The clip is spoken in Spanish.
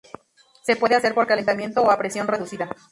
Se puede hacer por calentamiento o a presión reducida.